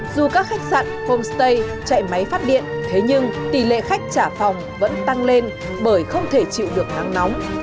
dù các khách sạn homestay chạy máy phát điện thế nhưng tỷ lệ khách trả phòng vẫn tăng lên bởi không thể chịu được nắng nóng